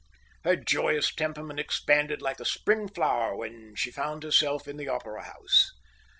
Her joyous temperament expanded like a spring flower when she found herself in the Opera House.